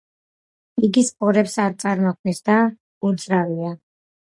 იგი სპორებს არ წარმოქმნის და უძრავია.